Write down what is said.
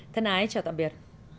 thân ái chào tạm biệt